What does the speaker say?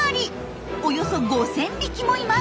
およそ５，０００匹もいます。